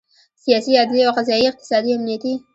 سیاسي، عدلي او قضایي، اقتصادي، امنیتي